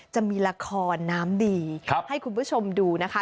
จะมีละครน้ำดีให้คุณผู้ชมดูนะคะ